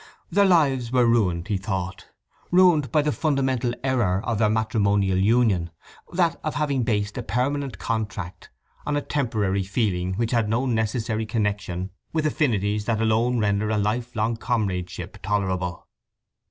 Their lives were ruined, he thought; ruined by the fundamental error of their matrimonial union: that of having based a permanent contract on a temporary feeling which had no necessary connection with affinities that alone render a lifelong comradeship tolerable.